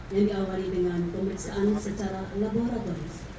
yang diawali dengan pemeriksaan secara laboratoris